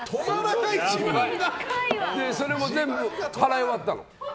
それも全部払い終わったの。